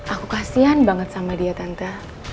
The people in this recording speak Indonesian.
aku kasian banget sama dia tante